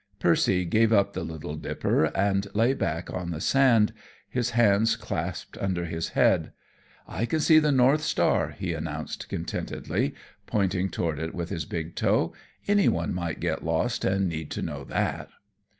Percy gave up the Little Dipper and lay back on the sand, his hands clasped under his head. "I can see the North Star," he announced, contentedly, pointing toward it with his big toe. "Any one might get lost and need to know that."